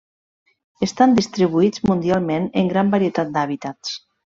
Estan distribuïts mundialment en gran varietat d'hàbitats.